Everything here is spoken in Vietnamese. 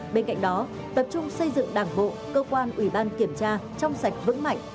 bên cạnh đó tập trung xây dựng đảng bộ cơ quan ủy ban kiểm tra trong sạch vững mạnh